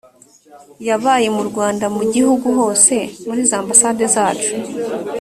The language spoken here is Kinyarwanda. yabaye mu rwanda mu gihugu hose muri za ambasade zacu